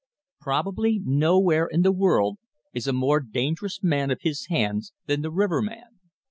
Probably nowhere in the world is a more dangerous man of his hands than the riverman.